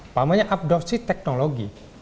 apalagi adopsi teknologi